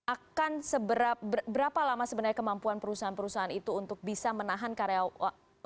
akan seberapa lama sebenarnya kemampuan perusahaan perusahaan itu untuk bisa menahan karyawan